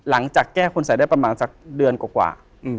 หลังจากแก้คนใส่ได้ประมาณสักเดือนกว่า